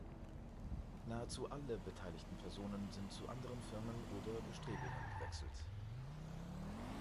Nahezu alle beteiligten Personen sind zu anderen Firmen oder Bestrebungen gewechselt.